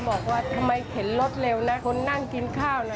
บอกว่าทำไมเข็นรถเร็วนะ